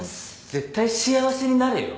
絶対幸せになれよ。